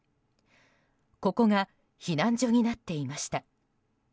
ここが避難所になっていました。